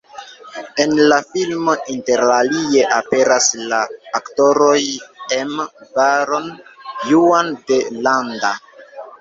En la filmo interalie aperas la aktoroj Emma Baron, Juan de Landa.